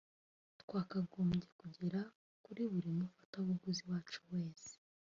twakagombye kugera kuri buri mufatabuguzi wacu wese